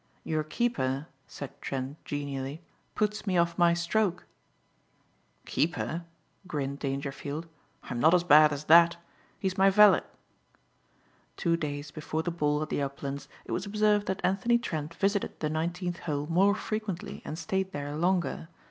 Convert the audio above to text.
"Your keeper," said Trent genially, "puts me off my stroke." "Keeper," grinned Dangerfield, "I'm not as bad as that. He's my valet." Two days before the ball at the Uplands it was observed that Anthony Trent visited the Nineteenth Hole more frequently and stayed there longer.